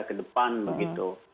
ke depan begitu